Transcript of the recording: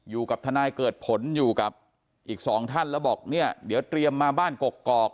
อยู่กับทนายเกิดผลอยู่กับอีกสองท่านแล้วบอกเนี่ยเดี๋ยวเตรียมมาบ้านกกอก